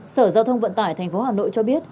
sở giao thông vận tải tp hà nội cho biết